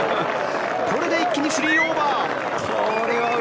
これで一気に３オーバー。